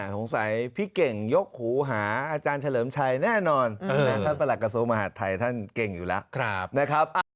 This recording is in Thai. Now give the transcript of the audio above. สงสัยพี่เก่งยกหูหาอาจารย์เฉลิมชัยแน่นอนท่านประหลักกษมภาษาไทยเก่งอยู่แล้ว